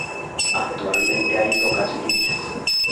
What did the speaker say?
Actualmente hay pocas líneas.